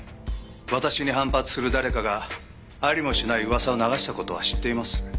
私に反発する誰かがありもしない噂を流した事は知っています。